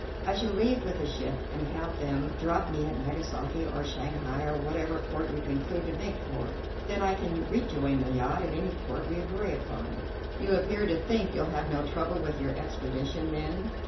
I shall leave with the ship, and have them drop me at Nagasaki or Shanghai, or whatever port we conclude to make for. Then I can rejoin the yacht at any port we agree upon." "You appear to think you'll have no trouble with your expedition, then?"